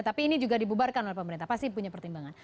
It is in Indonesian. tapi ini juga dibubarkan oleh pemerintah pasti punya pertimbangan